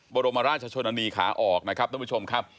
บรมราชชนนานีขาออกนะครับท่านผู้ชมครับ